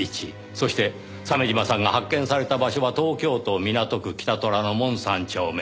そして鮫島さんが発見された場所は東京都港区北虎ノ門３丁目。